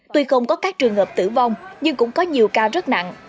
tuy không có các trường hợp tử vong nhưng cũng có nhiều ca rất nặng